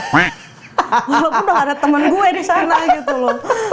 walaupun udah ada temen gue di sana gitu loh